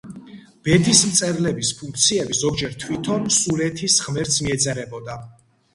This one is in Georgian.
ბედის მწერლების ფუნქციები ზოგჯერ თვითონ სულეთის ღმერთს მიეწერებოდა.